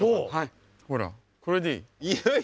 ほらこれでいい。